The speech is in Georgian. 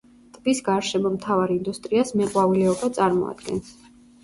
ტბის გარშემო მთავარ ინდუსტრიას მეყვავილეობა წარმოადგენს.